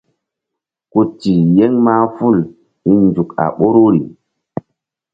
Ku ti yeŋ mahful hi̧nzuk a ɓoruri.